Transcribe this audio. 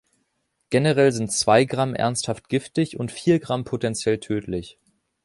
Generell sind zwei Gramm ernsthaft giftig und vier Gramm potenziell tödlich.